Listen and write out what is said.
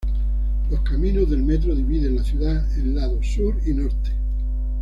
Los caminos del metro dividen la ciudad en lados Sur y Norte.